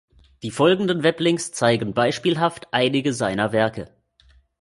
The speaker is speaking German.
Die folgenden Weblinks zeigen beispielhaft einige seiner Werke.